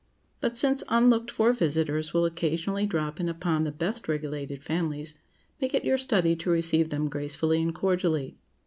But since unlooked for visitors will occasionally drop in upon the best regulated families, make it your study to receive them gracefully and cordially.